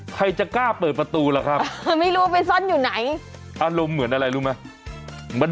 ใครจะกล้าเปิดประตูล่ะครับไม่รู้ไปซ่อนอยู่ไหนอารมณ์เหมือนอะไรรู้ไหม